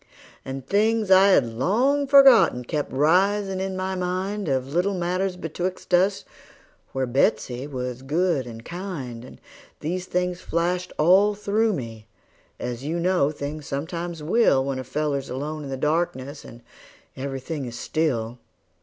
And things I had long forgotten kept risin' in my mind, Of little matters betwixt us, where Betsey was good and kind; And these things flashed all through me, as you know things sometimes will When a feller's alone in the darkness, and every thing is still.